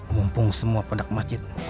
mumpung semua pada ke masjid